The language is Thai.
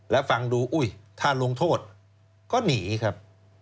แล้วฟังดูอุ้ยถ้าลงโทษก็หนีครับ